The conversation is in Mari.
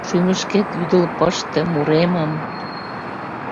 Шÿмышкет вÿдыл пыште муремым –